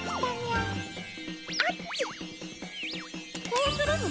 こうするの？